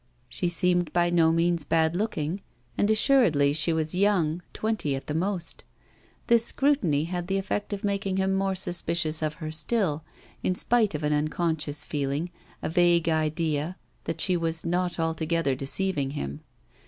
She seemed by no means bad looking, and assuredly she was young: twenty at the most. This scrutiny had the effect of making him more suspicious of her still, in spite of an unconscious feeling, a vague idea, that she was not altogether deceiving him.